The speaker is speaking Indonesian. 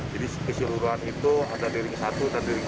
jadi keseluruhan itu ada ring satu dan ring dua